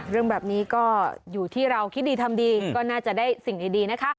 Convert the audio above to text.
เรื่องแบบนี้ก็อยู่ที่เราคิดดีทำดีก็น่าจะได้สิ่งดีนะคะ